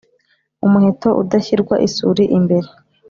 Umuheto udashyirwa isuri imbere